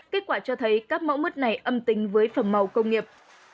kết quả cho thấy các mẫu mất này âm tình với phần màu công nghiệp